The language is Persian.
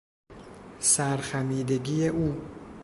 سر خمیدگی او